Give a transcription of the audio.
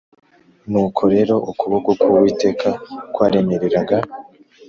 Nuko rero ukuboko k Uwiteka kwaremereraga